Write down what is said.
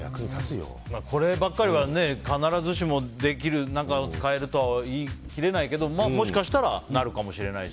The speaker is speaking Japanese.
こればっかりは必ずしもできる使えるとは言い切れないけどもしかしたらなるかもしれないし。